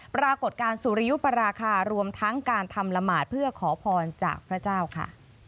ปรากฏการณ์สุริยุปราคารวมทั้งการทำละหมาดเพื่อขอพรจากพระเจ้าค่ะ